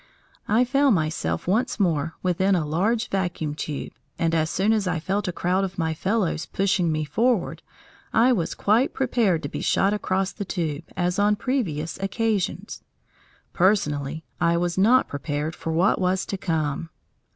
I found myself once more within a large vacuum tube, and as soon as I felt a crowd of my fellows pushing me forward, I was quite prepared to be shot across the tube, as on previous occasions. Personally, I was not prepared for what was to come.